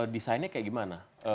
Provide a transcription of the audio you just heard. desainnya kayak gimana